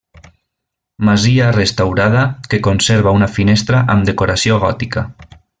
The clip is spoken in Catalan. Masia restaurada que conserva una finestra amb decoració gòtica.